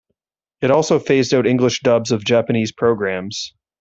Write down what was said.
It also phased out English dubs of Japanese programs.